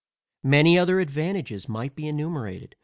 Many other advantages might be enumerated.